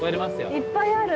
いっぱいある。